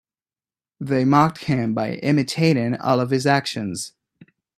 They mocked him by imitating all of his actions.